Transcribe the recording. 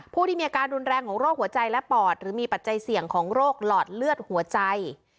ผู้ที่มีอาการรุนแรงของโรคหัวใจและปอดหรือมีปัจจัยเสี่ยงของโรคหลอดเลือดหัวใจ